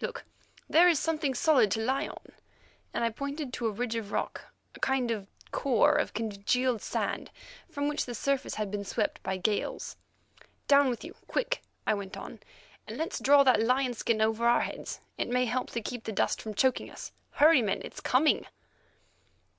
Look; there is something solid to lie on," and I pointed to a ridge of rock, a kind of core of congealed sand, from which the surface had been swept by gales. "Down with you, quick," I went on, "and let's draw that lion skin over our heads. It may help to keep the dust from choking us. Hurry, men; it's coming!"